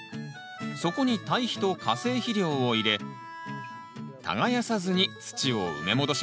底に堆肥と化成肥料を入れ耕さずに土を埋め戻します。